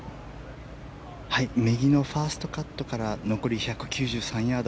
右のファーストカットから残り１９３ヤード。